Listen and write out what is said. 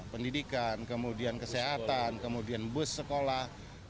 pendidikan kemudian kesehatan kemudian bus sekolah